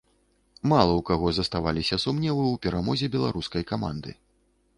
Мала ў каго заставаліся сумневы ў перамозе беларускай каманды.